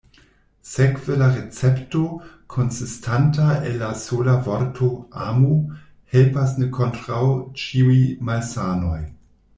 Sekve la recepto, konsistanta el la sola vorto “amu”, helpas ne kontraŭ ĉiuj malsanoj.